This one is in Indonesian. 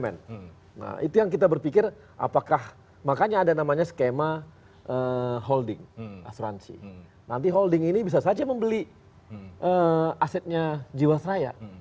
nanti holding ini bisa saja membeli asetnya jiwasraya